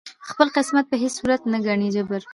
خپل قسمت په هیڅ صورت نه ګڼي جبر